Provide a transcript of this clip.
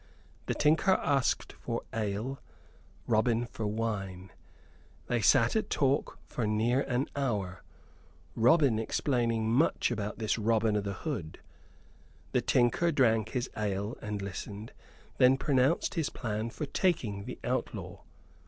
The tinker asked for ale, Robin for wine. They sat at talk for near an hour, Robin explaining much about this Robin o' th' Hood. The tinker drank his ale and listened; then pronounced his plan for taking the outlaw.